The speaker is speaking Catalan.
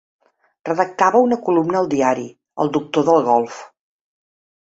Redactava una columna al diari, El doctor del golf.